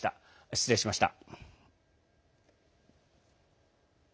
失礼しました。